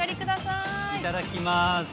◆いただきます。